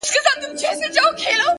زحمت د بریا خام مواد دي!